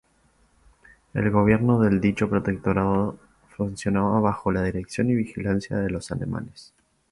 El gobierno del dicho protectorado funcionaba bajo la dirección y vigilancia de los alemanes.